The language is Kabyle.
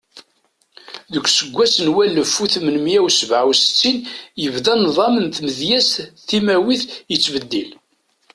Deg useggas n walef u tmenmiya u sebɛa U settin, yebda nḍam n tmedyazt timawit yettbeddil.